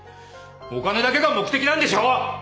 お金だけが目的なんでしょう！？